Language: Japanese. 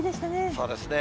そうですね。